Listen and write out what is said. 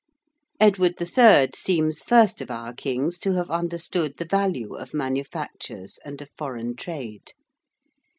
Edward III. seems first of our kings to have understood the value of manufactures and of foreign trade.